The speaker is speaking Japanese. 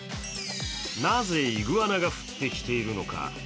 なぜイグアナが降ってきているのか。